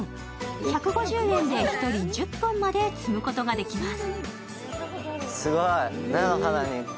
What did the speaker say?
１５０円で１人１０本名で摘むことができます。